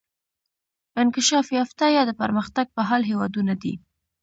انکشاف یافته یا د پرمختګ په حال هیوادونه دي.